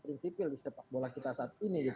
prinsipil di sepak bola kita saat ini